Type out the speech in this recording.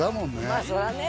まあそりゃあねえ